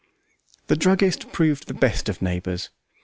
The druggist proved the best of neighbours.